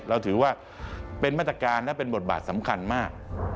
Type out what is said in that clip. เราถือว่าเป็นมาตรการและเป็นบทบาทสำคัญมาก